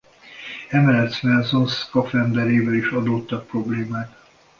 Emellett Swanson szkafanderével is adódtak problémák.